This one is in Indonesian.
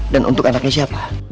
dan untuk anak siapa